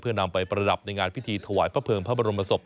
เพื่อนำไปประดับในงานพิธีถวายพระเภิงพระบรมศพ